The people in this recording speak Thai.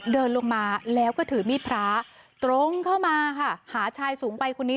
เดินลงมาแล้วก็ถือมีดพระตรงเข้ามาค่ะหาชายสูงวัยคนนี้